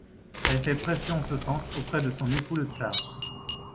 Elle fait pression en ce sens auprès de son époux le tsar.